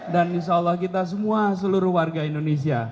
insya allah kita semua seluruh warga indonesia